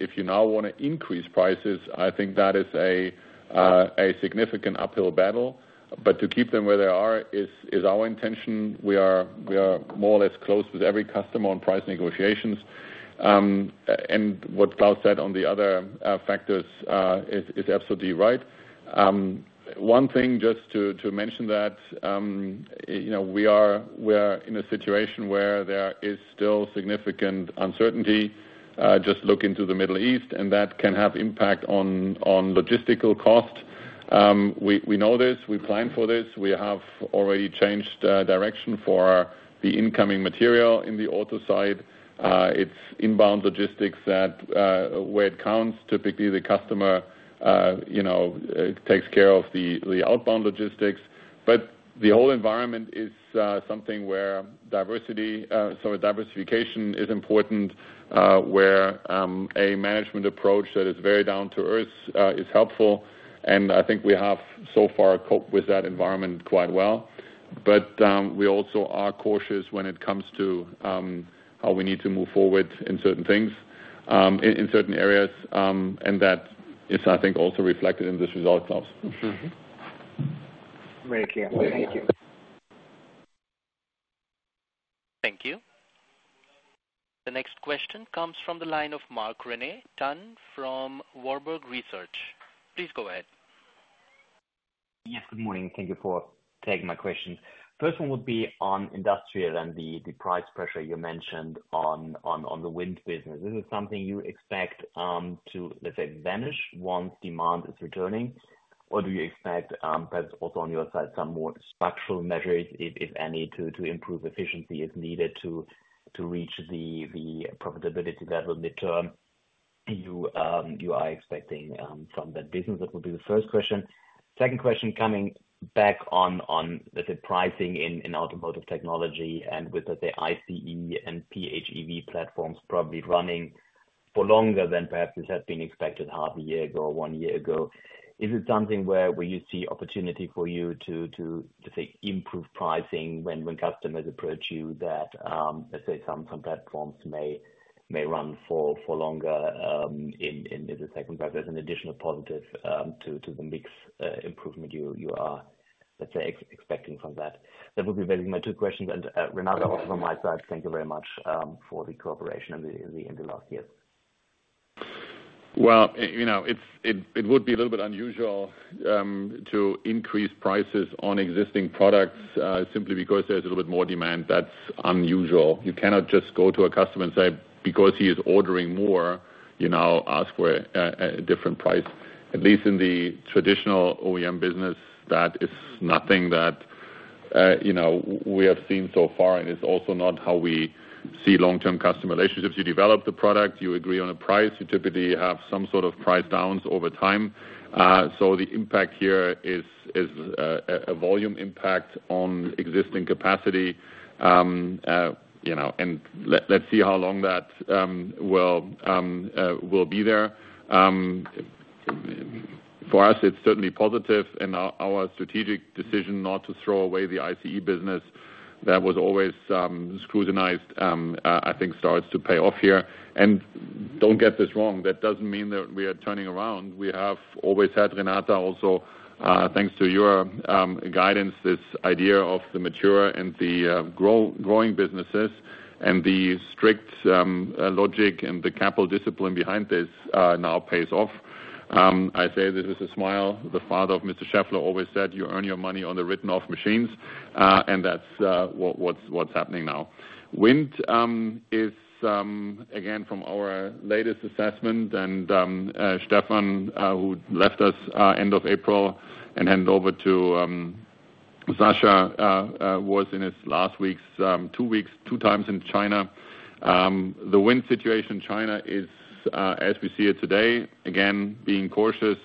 If you now want to increase prices, I think that is a significant uphill battle. But to keep them where they are is our intention. We are more or less close with every customer on price negotiations. And what Claus said on the other factors is absolutely right. One thing, just to mention that, we are in a situation where there is still significant uncertainty. Just look into the Middle East, and that can have impact on logistical cost. We know this. We plan for this. We have already changed direction for the incoming material in the auto side. It's inbound logistics that's where it counts, typically the customer takes care of the outbound logistics. But the whole environment is something where diversity sorry, diversification is important, where a management approach that is very down-to-earth is helpful. And I think we have so far coped with that environment quite well. But we also are cautious when it comes to how we need to move forward in certain things, in certain areas. And that is, I think, also reflected in this result, Claus. Very clear. Thank you. Thank you. The next question comes from the line of Marc-René Tonn from Warburg Research. Please go ahead. Yes. Good morning. Thank you for taking my question. First one would be on industrial and the price pressure you mentioned on the wind business. Is this something you expect to, let's say, vanish once demand is returning? Or do you expect, perhaps also on your side, some more structural measures, if any, to improve efficiency if needed to reach the profitability level mid-term you are expecting from that business? That would be the first question. Second question coming back on, let's say, pricing in automotive technology and with, let's say, ICE and PHEV platforms probably running for longer than perhaps this had been expected half a year ago or one year ago. Is it something where you see opportunity for you to, let's say, improve pricing when customers approach you, that, let's say, some platforms may run for longer in the second part? That's an additional positive to the mix improvement you are, let's say, expecting from that. That would be basically my two questions. And Renata, also from my side, thank you very much for the cooperation in the last years. Well, it would be a little bit unusual to increase prices on existing products simply because there's a little bit more demand. That's unusual. You cannot just go to a customer and say, because he is ordering more, ask for a different price. At least in the traditional OEM business, that is nothing that we have seen so far. And it's also not how we see long-term customer relationships. You develop the product. You agree on a price. You typically have some sort of price downs over time. So the impact here is a volume impact on existing capacity. And let's see how long that will be there. For us, it's certainly positive. And our strategic decision not to throw away the ICE business that was always scrutinized, I think, starts to pay off here. And don't get this wrong. That doesn't mean that we are turning around. We have always had, Renata, also thanks to your guidance, this idea of the mature and the growing businesses. And the strict logic and the capital discipline behind this now pays off. I say this with a smile. The father of Mr. Schaeffler always said, you earn your money on the written-off machines. And that's what's happening now. Wind is, again, from our latest assessment. Stefan, who left us end of April and handed over to Sascha, was in his last weeks, two weeks, two times in China. The wind situation in China is, as we see it today, again, being cautious,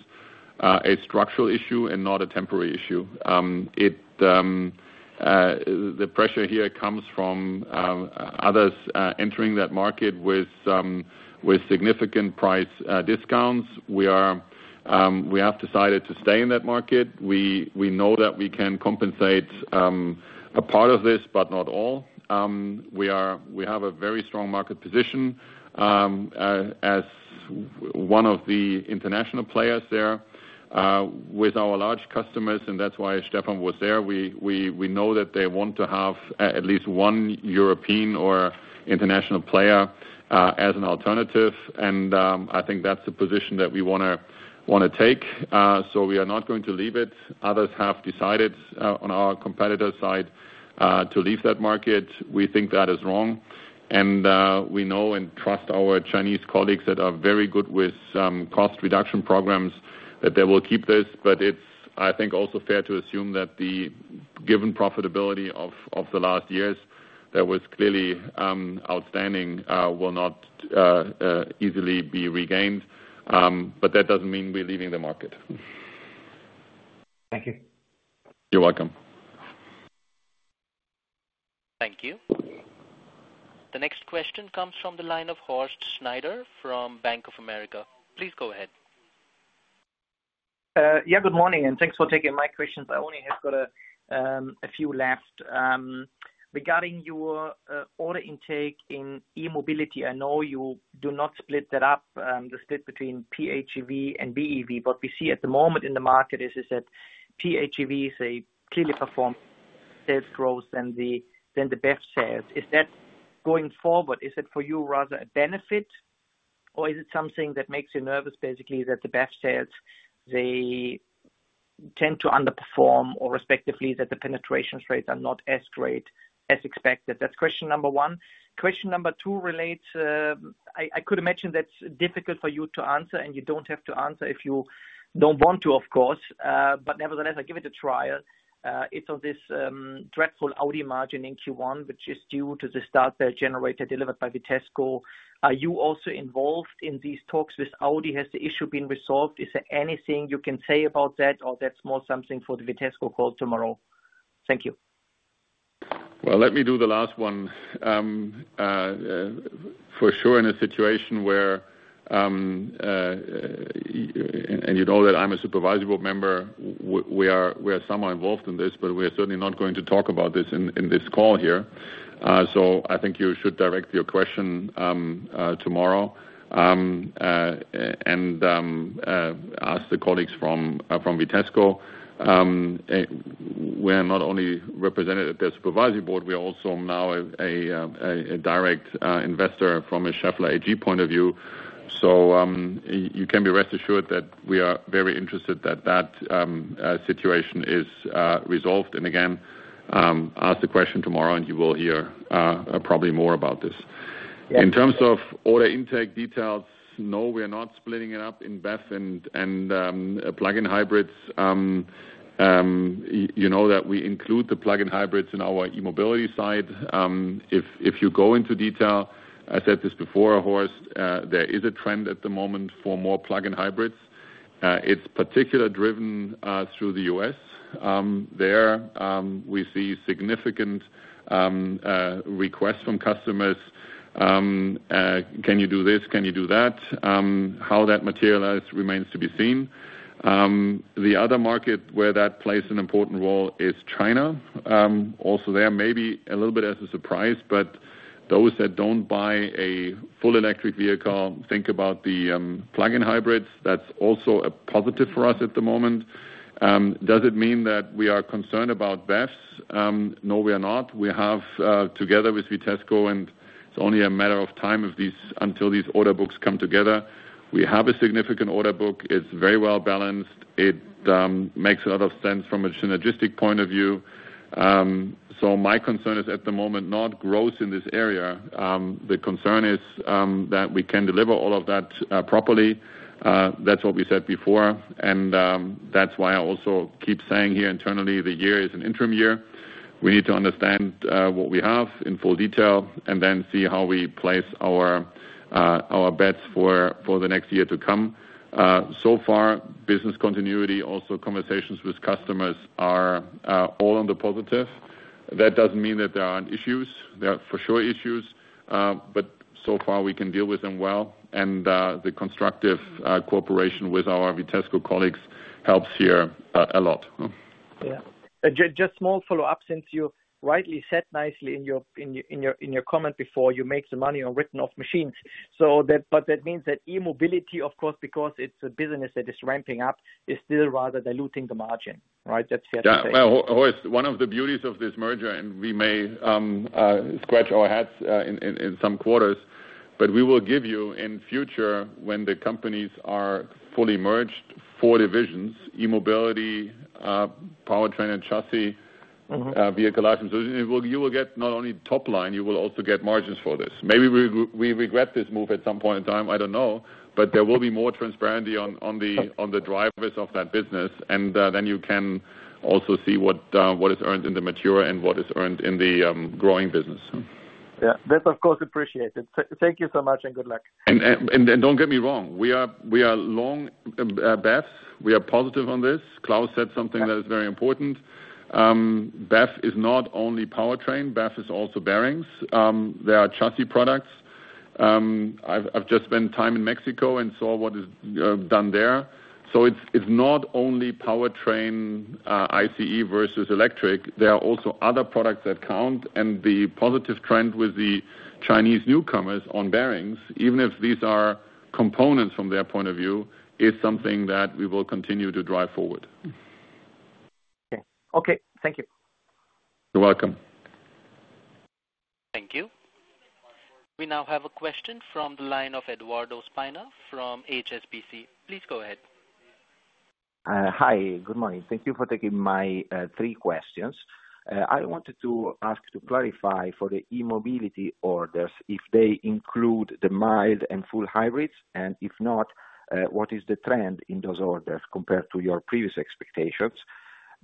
a structural issue and not a temporary issue. The pressure here comes from others entering that market with significant price discounts. We have decided to stay in that market. We know that we can compensate a part of this, but not all. We have a very strong market position as one of the international players there with our large customers. And that's why Stefan was there. We know that they want to have at least one European or international player as an alternative. And I think that's a position that we want to take. So we are not going to leave it. Others have decided on our competitor side to leave that market. We think that is wrong. We know and trust our Chinese colleagues that are very good with cost reduction programs that they will keep this. But it's, I think, also fair to assume that the given profitability of the last years that was clearly outstanding will not easily be regained. That doesn't mean we're leaving the market. Thank you. You're welcome. Thank you. The next question comes from the line of Horst Schneider from Bank of America. Please go ahead. Yeah. Good morning. And thanks for taking my questions. I only have got a few left. Regarding your order intake in E-Mobility, I know you do not split that up, the split between PHEV and BEV. What we see at the moment in the market is that PHEVs, they clearly perform sales growth than the BEV sales. Is that going forward, is that for you rather a benefit? Or is it something that makes you nervous, basically, that the BEV sales, they tend to underperform, or respectively, that the penetration rates are not as great as expected? That's question number one. Question number two relates. I could imagine that's difficult for you to answer, and you don't have to answer if you don't want to, of course. But nevertheless, I'll give it a try. It's on this dreadful Audi margin in Q1, which is due to the starter-generator delivered by Vitesco. Are you also involved in these talks with Audi? Has the issue been resolved? Is there anything you can say about that, or that's more something for the Vitesco call tomorrow? Thank you. Well, let me do the last one. For sure, in a situation where and you know that I'm a supervisory board member. We are somewhat involved in this, but we are certainly not going to talk about this in this call here. I think you should direct your question tomorrow and ask the colleagues from Vitesco. We are not only represented at their supervisory board. We are also now a direct investor from a Schaeffler AG point of view. You can be rest assured that we are very interested that that situation is resolved. And again, ask the question tomorrow, and you will hear probably more about this. In terms of order intake details, no, we are not splitting it up in BEV and plug-in hybrids. You know that we include the plug-in hybrids in our E-Mobility side. If you go into detail, I said this before, Horst, there is a trend at the moment for more plug-in hybrids. It's particularly driven through the U.S. There, we see significant requests from customers. Can you do this? Can you do that? How that materializes remains to be seen. The other market where that plays an important role is China. Also, there may be a little bit as a surprise, but those that don't buy a full electric vehicle, think about the plug-in hybrids. That's also a positive for us at the moment. Does it mean that we are concerned about BEVs? No, we are not. We have, together with Vitesco, and it's only a matter of time until these order books come together, we have a significant order book. It's very well balanced. It makes a lot of sense from a synergistic point of view. So my concern is at the moment not growth in this area. The concern is that we can deliver all of that properly. That's what we said before. And that's why I also keep saying here internally, the year is an interim year. We need to understand what we have in full detail and then see how we place our bets for the next year to come. So far, business continuity, also conversations with customers are all on the positive. That doesn't mean that there aren't issues. There are for sure issues. But so far, we can deal with them well. And the constructive cooperation with our Vitesco colleagues helps here a lot. Yeah. Just small follow-up since you rightly said nicely in your comment before, you make the money on written-off machines. But that means that E-Mobility, of course, because it's a business that is ramping up, is still rather diluting the margin, right? That's fair to say. Yeah. Well, Horst, one of the beauties of this merger, and we may scratch our heads in some quarters, but we will give you in future, when the companies are fully merged, four divisions: E-Mobility, Powertrain, and Chassis vehicle assembly. You will get not only top line. You will also get margins for this. Maybe we regret this move at some point in time. I don't know. There will be more transparency on the drivers of that business. Then you can also see what is earned in the mature and what is earned in the growing business. Yeah. That's, of course, appreciated. Thank you so much and good luck. Don't get me wrong. We are long BEVs. We are positive on this. Claus said something that is very important. BEV is not only Powertrain. BEV is also bearings. There are Chassis products. I've just spent time in Mexico and saw what is done there. So it's not only powertrain, ICE versus electric. There are also other products that count. And the positive trend with the Chinese newcomers on bearings, even if these are components from their point of view, is something that we will continue to drive forward. Okay. Okay. Thank you. You're welcome. Thank you. We now have a question from the line of Edoardo Spina from HSBC. Please go ahead. Hi. Good morning. Thank you for taking my three questions. I wanted to ask to clarify for the E-Mobility orders, if they include the mild and full hybrids. And if not, what is the trend in those orders compared to your previous expectations?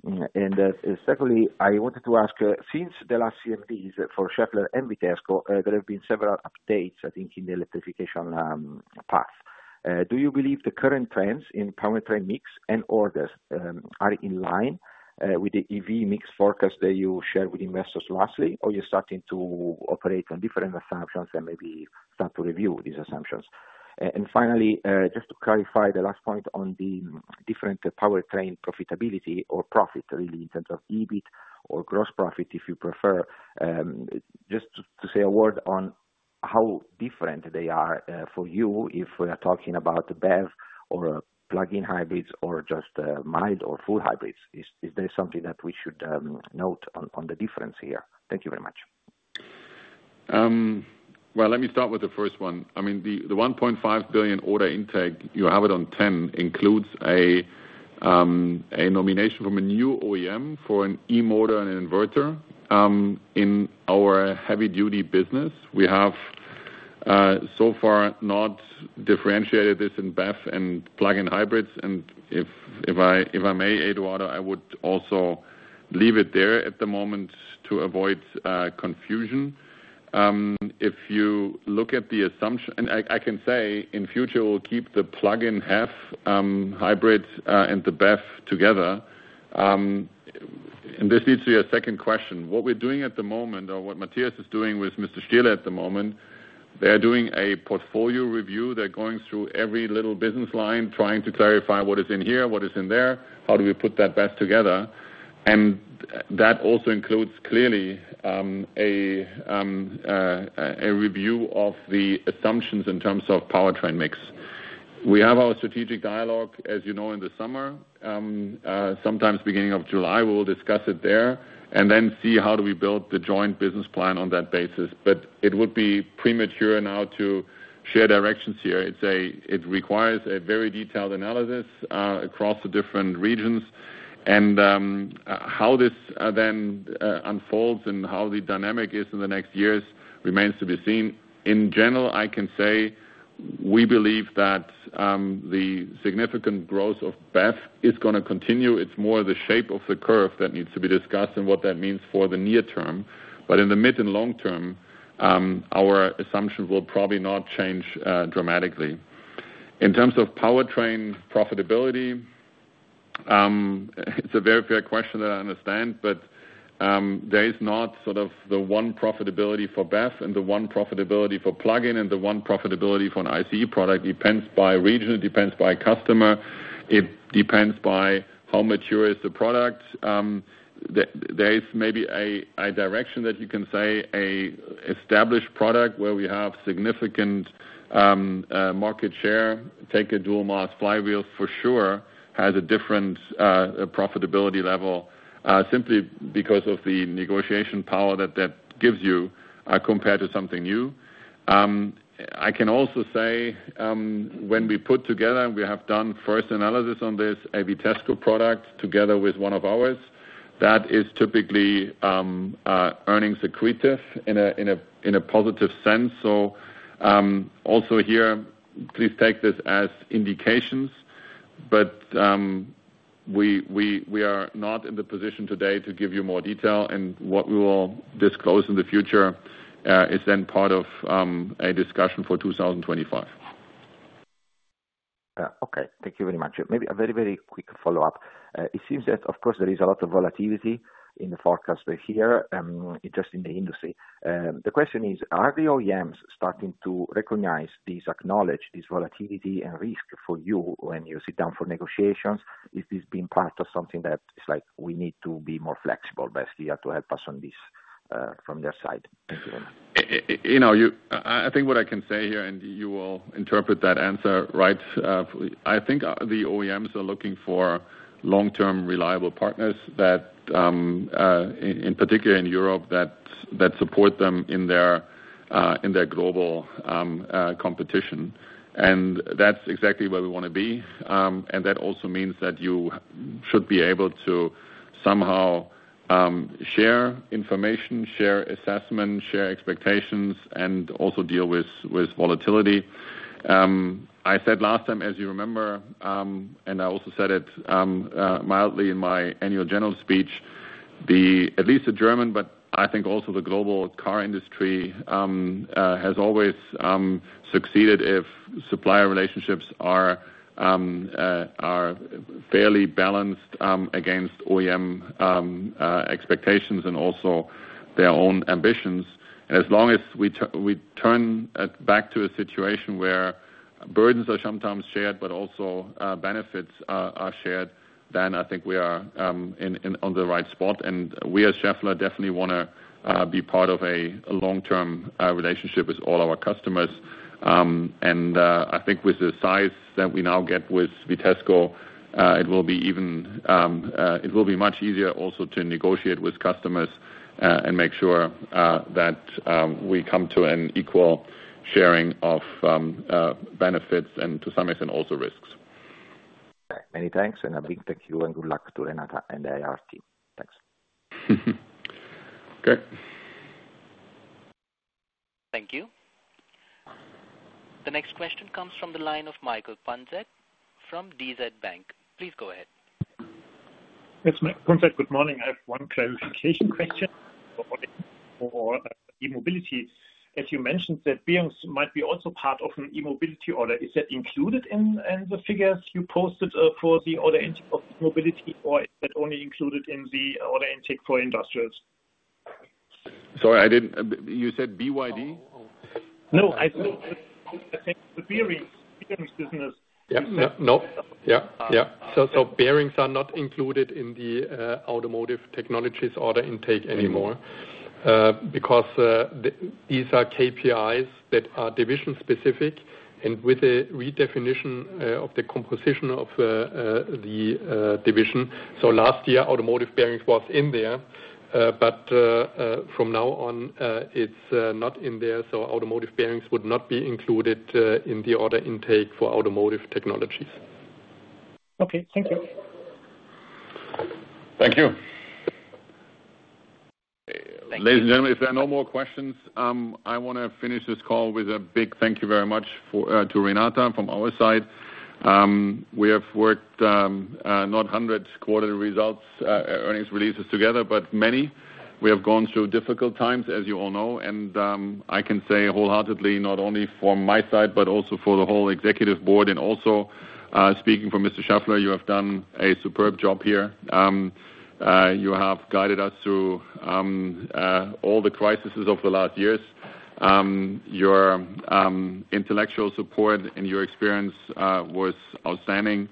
And secondly, I wanted to ask, since the last CMDs for Schaeffler and Vitesco, there have been several updates, I think, in the electrification path. Do you believe the current trends in powertrain mix and orders are in line with the EV mix forecast that you shared with investors lastly, or you're starting to operate on different assumptions and maybe start to review these assumptions? And finally, just to clarify the last point on the different powertrain profitability or profit, really, in terms of EBIT or gross profit, if you prefer, just to say a word on how different they are for you if we are talking about BEV or plug-in hybrids or just mild or full hybrids. Is there something that we should note on the difference here? Thank you very much. Well, let me start with the first one. I mean, the 1.5 billion order intake, you have it on 10, includes a nomination from a new OEM for an e-motor and an inverter. In our heavy-duty business, we have so far not differentiated this in BEV and plug-in hybrids. If I may, Edoardo, I would also leave it there at the moment to avoid confusion. If you look at the assumption and I can say, in the future, we'll keep the plug-in hybrid and the BEV together. This leads to your second question. What we're doing at the moment or what Matthias is doing with Mr. Schüler at the moment, they are doing a portfolio review. They're going through every little business line, trying to clarify what is in here, what is in there, how do we put that best together. That also includes, clearly, a review of the assumptions in terms of powertrain mix. We have our strategic dialogue, as you know, in the summer, sometimes beginning of July. We'll discuss it there and then see how do we build the joint business plan on that basis. But it would be premature now to share directions here. It requires a very detailed analysis across the different regions. And how this then unfolds and how the dynamic is in the next years remains to be seen. In general, I can say we believe that the significant growth of BEV is going to continue. It's more the shape of the curve that needs to be discussed and what that means for the near term. But in the mid and long term, our assumptions will probably not change dramatically. In terms of powertrain profitability, it's a very fair question that I understand. But there is not sort of the one profitability for BEV and the one profitability for plug-in and the one profitability for an ICE product. It depends by region. It depends by customer. It depends by how mature is the product. There is maybe a direction that you can say, an established product where we have significant market share, take a dual-mass flywheel, for sure has a different profitability level simply because of the negotiation power that that gives you compared to something new. I can also say, when we put together and we have done first analysis on this, a Vitesco product together with one of ours, that is typically earnings accretive in a positive sense. So also here, please take this as indications. But we are not in the position today to give you more detail. And what we will disclose in the future is then part of a discussion for 2025. Yeah. Okay. Thank you very much. Maybe a very, very quick follow-up. It seems that, of course, there is a lot of volatility in the forecasts here, just in the industry. The question is, are the OEMs starting to recognize, acknowledge this volatility and risk for you when you sit down for negotiations? Is this being part of something that it's like, we need to be more flexible, best here, to help us on this from their side? Thank you very much. I think what I can say here, and you will interpret that answer right, I think the OEMs are looking for long-term reliable partners, in particular in Europe, that support them in their global competition. And that also means that you should be able to somehow share information, share assessment, share expectations, and also deal with volatility. I said last time, as you remember, and I also said it mildly in my annual general speech, at least the German, but I think also the global car industry has always succeeded if supplier relationships are fairly balanced against OEM expectations and also their own ambitions. And as long as we turn back to a situation where burdens are sometimes shared but also benefits are shared, then I think we are on the right spot. And we, as Schaeffler, definitely want to be part of a long-term relationship with all our customers. And I think with the size that we now get with Vitesco, it will be even much easier also to negotiate with customers and make sure that we come to an equal sharing of benefits and, to some extent, also risks. Many thanks. A big thank you and good luck to Renata and the IR team. Thanks. Okay. Thank you. The next question comes from the line of Michael Punzet from DZ Bank. Please go ahead. Yes, Punzet. Good morning. I have one clarification question for E-Mobility. As you mentioned, that bearings might be also part of an E-Mobility order. Is that included in the figures you posted for the order intake of E-Mobility, or is that only included in the order intake for industrials? Sorry. You said BYD? No. I said the bearings business. Yeah. No. Yeah. Yeah. So bearings are not included in the Automotive Technologies order intake anymore because these are KPIs that are division-specific and with a redefinition of the composition of the division. So last year, Automotive bearings was in there. But from now on, it's not in there. So Automotive bearings would not be included in the order intake for Automotive Technologies. Okay. Thank you. Thank you. Ladies and gentlemen, if there are no more questions, I want to finish this call with a big thank you very much to Renata from our side. We have worked not 100 quarterly results, earnings releases together, but many. We have gone through difficult times, as you all know. I can say wholeheartedly, not only from my side but also for the whole executive board and also speaking for Mr. Schaeffler, you have done a superb job here. You have guided us through all the crises of the last years. Your intellectual support and your experience was outstanding.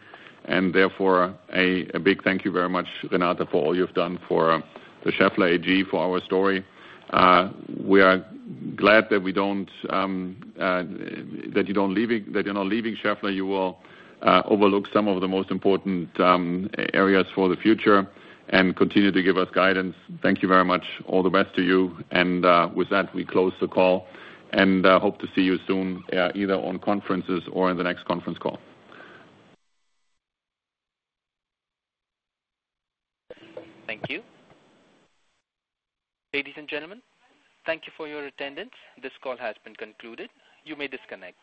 Therefore, a big thank you very much, Renata, for all you've done for the Schaeffler AG, for our story. We are glad that you don't leave Schaeffler. You will overlook some of the most important areas for the future and continue to give us guidance. Thank you very much. All the best to you. And with that, we close the call and hope to see you soon either on conferences or in the next conference call. Thank you. Ladies and gentlemen, thank you for your attendance. This call has been concluded. You may disconnect.